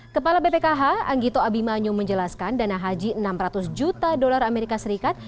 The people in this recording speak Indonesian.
kepala bpkh anggito abimanyu menjelaskan dana haji enam ratus juta dolar amerika serikat